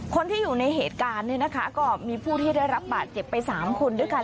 คนที่อยู่ในเหตุการณ์เนี่ยนะคะก็มีผู้ที่ได้รับบาดเจ็บไป๓คนด้วยกัน